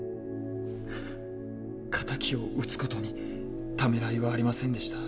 敵を討つ事にためらいはありませんでした。